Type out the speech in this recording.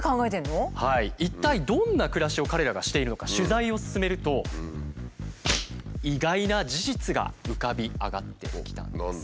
一体どんな暮らしを彼らがしているのか取材を進めると意外な事実が浮かび上がってきたんです。